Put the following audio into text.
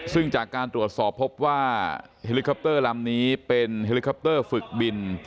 ซึ่งจากการตรวจสอบพบว่าเฮลิคอปเตอร์ลำนี้เป็นเฮลิคอปเตอร์ฝึกบิน